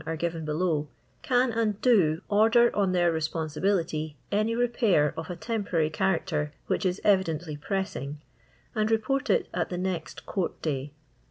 are gi\'en below), can and do order on their responsi bility any repfiir of a ti inporary chamcUT which is evidently prossinp, and report it at the next court day.